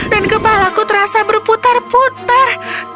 dan kepala ku terasa berputar putar